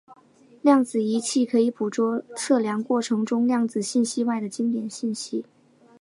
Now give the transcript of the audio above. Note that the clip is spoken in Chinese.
量子仪器可以捕捉测量过程中量子信息外的经典信息。